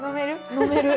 飲める。